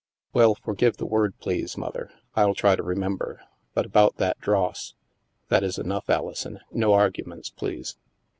" Well, forgive the word, please. Mother. I'll try to remember. But about that dross ..." "That is enough, Alison. No arguments, please."